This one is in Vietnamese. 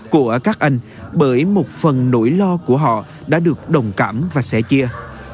của các anh bởi một phần nỗi lo của họ đã được đồng cảm và sẻ chia